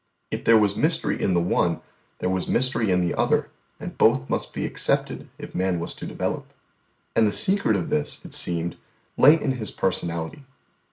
If there was mystery in the one, there was mystery in the other, and both must be accepted if man was to develop. And the secret of this, it seemed, lay in His personality.